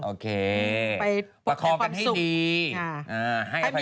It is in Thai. โอเคประคองกันให้ดีไปประคองกันให้ความสุข